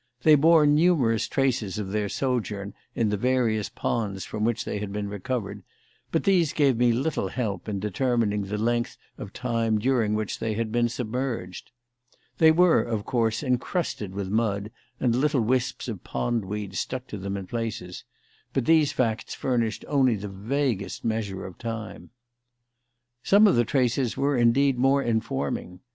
They bore numerous traces of their sojourn in the various ponds from which they had been recovered, but these gave me little help in determining the length of time during which they had been submerged. They were, of course, encrusted with mud, and little wisps of pond weed stuck to them in places; but these facts furnished only the vaguest measure of time. Some of the traces were, indeed, more informing.